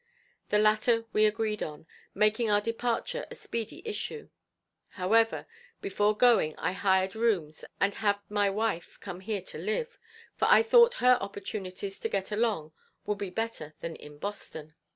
The latter we agreed on, making our departure a speedy issue. However, before going I hired rooms and had my wife come here to live; for I thought her opportunities to get along would be better than in Boston.